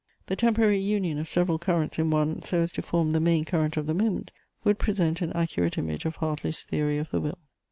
The temporary union of several currents in one, so as to form the main current of the moment, would present an accurate image of Hartley's theory of the will.